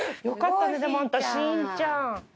よかったねでもあなた心ちゃん。